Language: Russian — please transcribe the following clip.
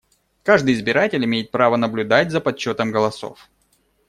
Каждый избиратель имеет право наблюдать за подсчётом голосов.